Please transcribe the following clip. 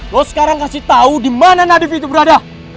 lo sekarang kasih tahu dimana nadif itu berada